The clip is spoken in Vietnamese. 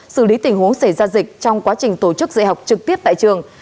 xử lý tình huống xảy ra dịch trong quá trình tổ chức dạy học trực tiếp tại trường